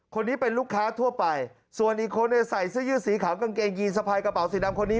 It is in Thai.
คนนี้เป็นลูกค้าทั่วไปส่วนอีกคนเนี่ยใส่เสื้อยืดสีขาวกางเกงยีนสะพายกระเป๋าสีดำคนนี้